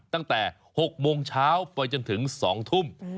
ตั้งแต่๖โมงเช้าไปจนถึง๒ทุ่ม